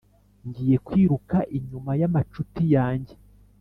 Ngiye kwiruka inyuma y’amacuti yanjye,